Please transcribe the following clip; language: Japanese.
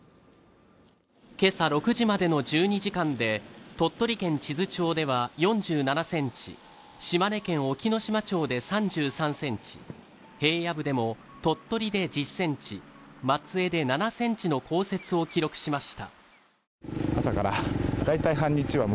けさ６時までの１２時間で鳥取県智頭町では４７ｃｍ島根県隠岐の島町で３３ｃｍ平野部でも鳥取で１０ｃｍ松江で７ｃｍの降雪を記録しました